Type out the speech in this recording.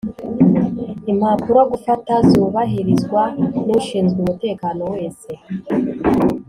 Impapuro gufata zubahirizwa n’ushinzwe umutekano wese